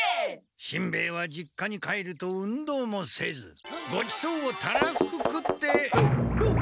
しんべヱは実家に帰ると運動もせずごちそうをたらふく食って。